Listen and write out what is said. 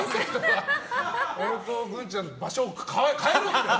俺とグンちゃんの場所を変えろって。